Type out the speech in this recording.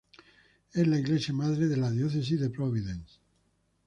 Es la iglesia madre de la Diócesis de Providence.